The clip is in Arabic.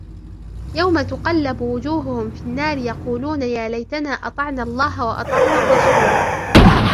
يَوْمَ تُقَلَّبُ وُجُوهُهُمْ فِي النَّارِ يَقُولُونَ يَا لَيْتَنَا أَطَعْنَا اللَّهَ وَأَطَعْنَا الرَّسُولَا